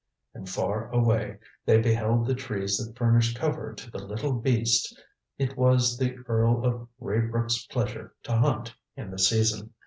And far away, they beheld the trees that furnished cover to the little beasts it was the Earl of Raybrook's pleasure to hunt in the season.